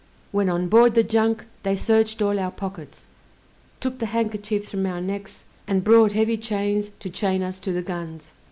When on board the junk, they searched all our pockets, took the handkerchiefs from our necks, and brought heavy chains to chain us to the guns.